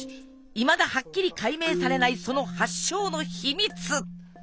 いまだはっきり解明されないその発祥の秘密！